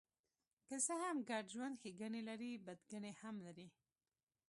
که څه هم ګډ ژوند ښېګڼې لري، بدګڼې هم لري.